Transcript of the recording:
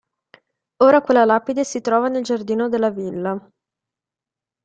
Ora quella lapide si trova nel giardino della villa.